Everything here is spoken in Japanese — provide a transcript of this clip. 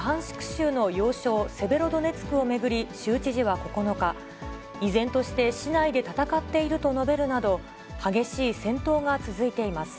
州の要衝セベロドネツクを巡り、州知事は９日、依然として市内で戦っていると述べるなど、激しい戦闘が続いています。